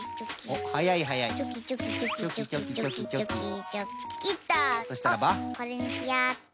おっこれにしようっと。